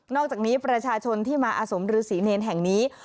อกจากนี้ประชาชนที่มาอาสมฤษีเนรแห่งนี้